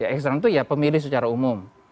eksternal itu ya pemilih secara umum